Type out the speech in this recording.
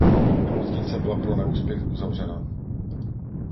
Nemocnice byla pro neúspěch uzavřena.